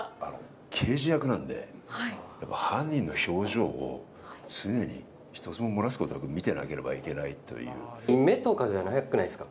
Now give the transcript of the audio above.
刑事役なんで、犯人の表情を常に一つも漏らすことなく見てなければいけないとい目とかじゃなくないですか？